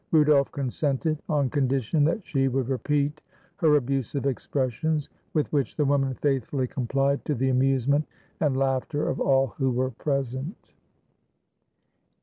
Rudolf consented on condition that she would repeat her abusive expres sions, with which the woman faithfully complied, to the amusement and laughter of all who were present.